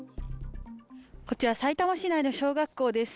こちら、さいたま市内の小学校です。